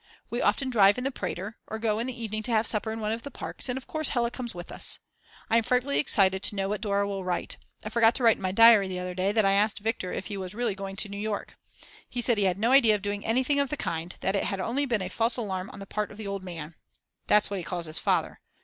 We often drive in the Prater, or go in the evening to have supper in one of the parks, and of course Hella comes with us. I am frightfully excited to know what Dora will write. I forgot to write in my diary the other day that I asked Viktor if he was really going to New York. He said he had no idea of doing anything of the kind, that had only been a false alarm on the part of the Old Man. That's what he calls his father.